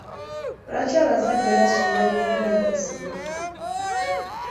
Lwaki abazadde basuula obuvunaanyizibwa?